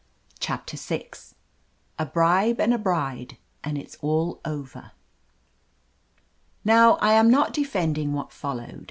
CHAPTER VI A BRIBE AND A BRIDE AND IT's ALL OVER NOW I am not defending what followed.